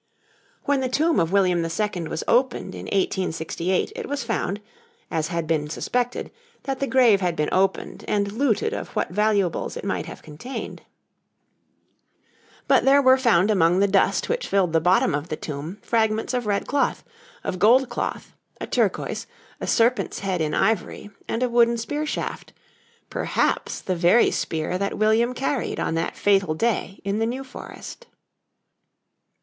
When the tomb of William II. was opened in 1868, it was found, as had been suspected, that the grave had been opened and looted of what valuables it might have contained; but there were found among the dust which filled the bottom of the tomb fragments of red cloth, of gold cloth, a turquoise, a serpent's head in ivory, and a wooden spear shaft, perhaps the very spear that William carried on that fatal day in the New Forest.